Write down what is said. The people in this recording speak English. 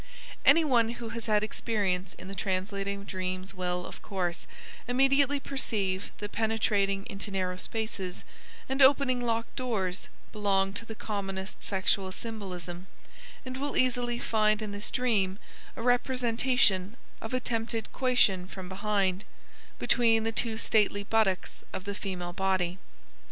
_ Any one who has had experience in the translating of dreams will, of course, immediately perceive that penetrating into narrow spaces, and opening locked doors, belong to the commonest sexual symbolism, and will easily find in this dream a representation of attempted coition from behind (between the two stately buttocks of the female body).